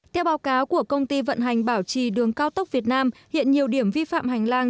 theo báo cáo của công ty vận hành bảo trì đường cao tốc việt nam hiện nhiều điểm vi phạm hành lang